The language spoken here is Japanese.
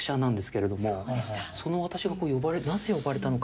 その私がなぜ呼ばれたのか？